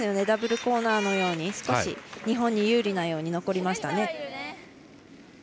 ダブルコーナーのように少し日本に有利なように残りましたね。